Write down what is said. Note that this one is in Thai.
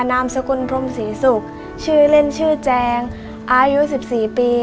นามสกุลพรมศรีศุกร์ชื่อเล่นชื่อแจงอายุสิบสี่ปี